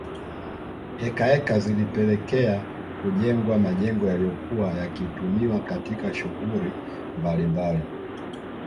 Heka heka zilipelekea kujengwa majengo yaliyokuwa yakitumiwa katika shughuli mbalimbali